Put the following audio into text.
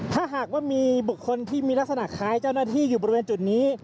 ถ้าหากว่ามีบุคคลที่มีลักษณะคล้ายเจ้าหน้าที่อยู่บริเวณจุดนี้